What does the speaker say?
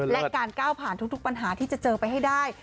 และการก้าวผ่านทุกปัญหาที่จะเจอไปให้ได้